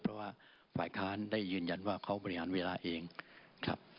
เพราะว่าฝ่ายค้านได้ยืนยันว่าเขาบริหารเวลาเองครับ